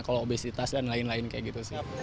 kalau obesitas dan lain lain kayak gitu sih